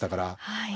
はい。